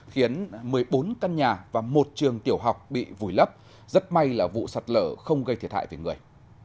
khiến một mươi bốn căn nhà và một trường tiểu học bị vùi lấp rất may là vụ sạt lở không gây thiệt hại về người